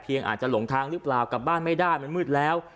อาจจะหลงทางหรือเปล่ากลับบ้านไม่ได้มันมืดแล้ว